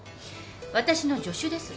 私の助手です。